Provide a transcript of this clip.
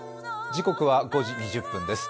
時刻は５時２０分です。